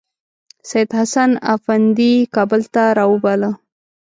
سیدحسن افندي کابل ته راوباله.